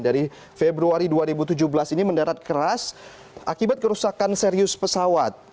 dari februari dua ribu tujuh belas ini mendarat keras akibat kerusakan serius pesawat